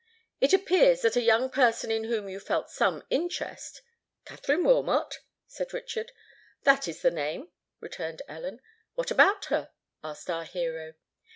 "It appears that a young person in whom you felt some interest——" "Katherine Wilmot?" said Richard. "That is the name," returned Ellen. "What about her?" asked our hero.